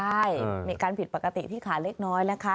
ใช่มีการผิดปกติที่ขาเล็กน้อยนะคะ